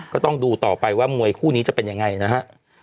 ก็ต้องดูต่อไปว่ามวยคู่นี้จะเป็นยังไงนะฮะ